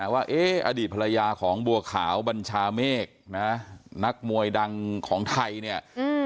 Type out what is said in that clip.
ว่าอดีตภรรยาของบัวขาวบัญชาเมฆนะนักมวยดังของไทยเนี่ย